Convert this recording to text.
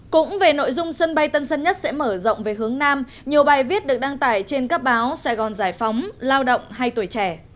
cũng về nội dung sân bay tân sân nhất sẽ mở rộng về hướng nam nhiều bài viết được đăng tải trên các báo sài gòn giải phóng lao động hay tuổi trẻ